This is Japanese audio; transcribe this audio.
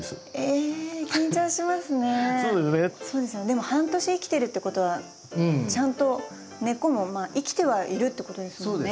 でも半年生きてるってことはちゃんと根っこも生きてはいるってことですもんね。